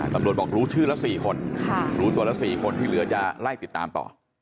บอกรู้ชื่อละ๔คนรู้ตัวละ๔คนที่เหลือจะไล่ติดตามต่อ